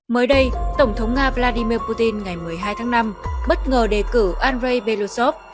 mới đây tổng thống nga vladimir putin ngày một mươi hai tháng năm bất ngờ đề cử andrei belosov